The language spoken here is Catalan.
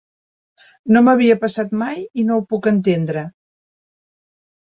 No m'havia passat mai i no ho puc entendre.